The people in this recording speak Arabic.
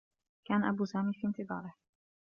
كان أب سامي في انتظاره.